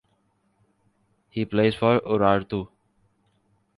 He plays for Urartu.